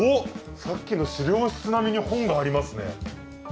さっきの史料室並みに本がありますね。